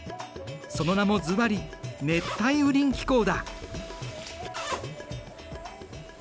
その名もずばり熱帯雨林気候だ。